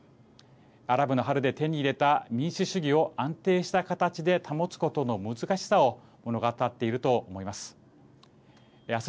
アラブの春で手に入れた民主主義を安定した形で保つことの難しさを物語っていると思います。